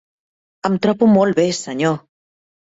Em trobo molt bé, senyor.